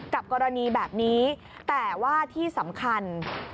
กรณีแบบนี้แต่ว่าที่สำคัญ